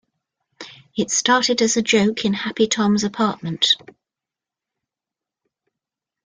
It started as a joke in Happy-Tom's apartment.